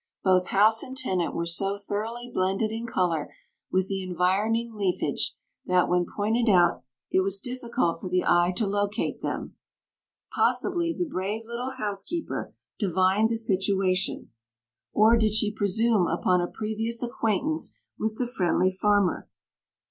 Both house and tenant were so thoroughly blended in color with the environing leafage that, when pointed out, it was difficult for the eye to locate them. Possibly the brave little housekeeper divined the situation; or did she presume upon a previous acquaintance with the friendly farmer?